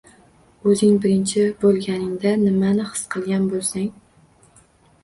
O‘zing birinchi bo‘lganingda nimani his qilgan bo‘lsang